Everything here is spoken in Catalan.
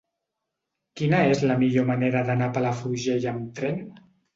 Quina és la millor manera d'anar a Palafrugell amb tren?